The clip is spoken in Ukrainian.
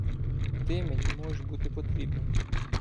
— Ти мені можеш бути потрібний.